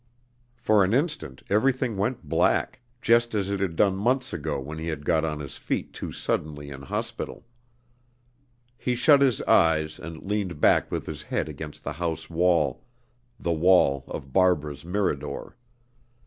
For an instant everything went black, just as it had done months ago when he had got on his feet too suddenly in hospital. He shut his eyes, and leaned back with his head against the house wall the wall of Barbara's Mirador.